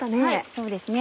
そうですね。